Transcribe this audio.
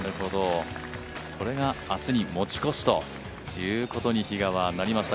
それが明日に持ち越しということに比嘉はなりました。